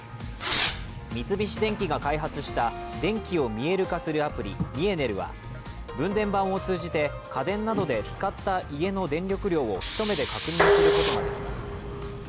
三菱電機が開発した電気を見える化するアプリ、「ミエネル」は分電盤を通じて家電などで使った家の電力量を一目で確認することができます。